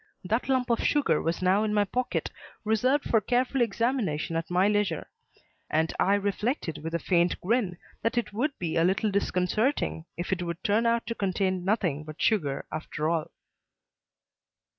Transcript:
That lump of sugar was now in my pocket, reserved for careful examination at my leisure; and I reflected with a faint grin that it would be a little disconcerting if it should turn out to contain nothing but sugar after all.